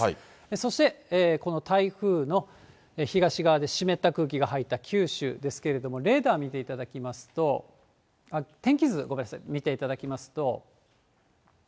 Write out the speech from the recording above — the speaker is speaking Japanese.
そしてこの台風の東側で湿った空気が入った九州ですけれども、レーダー見ていただきますと、ごめんなさい、天気図見ていただきますと。